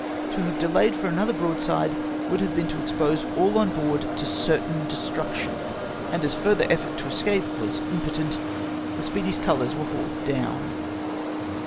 To have delayed for an other broadside would have been to expose all on board to certam destruction, and as further effort to escape was impotent, the Speedy's colours were hauled down.